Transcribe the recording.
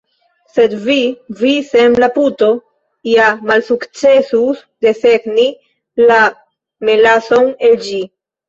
Sed vi, vi sen la puto ja malsukcesus desegni la melason el ĝi!